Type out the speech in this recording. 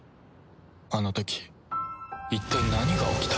あの時一体何が起きた？